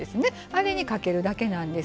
あれにかけるだけなんです。